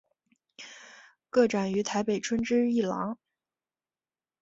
个展于台北春之艺廊。